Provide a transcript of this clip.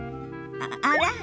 あら？